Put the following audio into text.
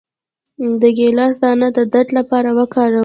د ګیلاس دانه د درد لپاره وکاروئ